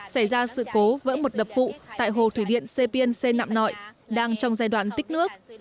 xảy ra sự cố vỡ một đập phụ tại hồ thủy điện sê piên xê nạm nội đang trong giai đoạn tích nước